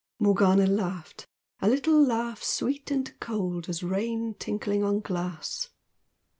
Morgana laughed a little laugh sweet and cold as rain tinkling on glass.